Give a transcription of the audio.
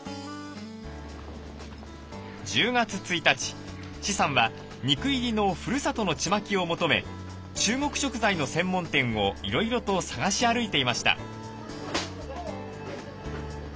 １０月１日施さんは肉入りのふるさとのチマキを求め中国食材の専門店をいろいろと探し歩いていました。